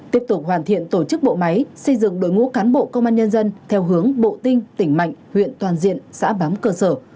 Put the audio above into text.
tiếp tục hoàn thiện tổ chức bộ máy xây dựng đối ngũ cán bộ công an nhân dân theo hướng bộ tinh tỉnh mạnh huyện toàn diện xã bám cơ sở